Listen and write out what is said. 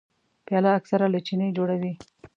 پیاله اکثره له چیني جوړه وي.